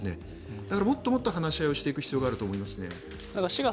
だから、もっともっと話し合いをしていく必要があると思います。